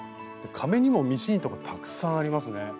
壁にもミシン糸がたくさんありますね。